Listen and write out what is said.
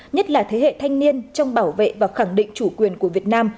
nhất là thế hệ thanh niên trong bảo vệ và khẳng định chủ quyền của việt nam